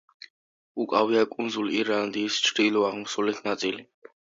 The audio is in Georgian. უკავია კუნძულ ირლანდიის ჩრდილო-აღმოსავლეთ ნაწილი.